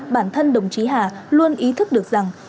bản thân đồng chí hà luôn ý thức được rằng